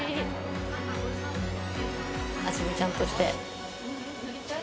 味見ちゃんとして。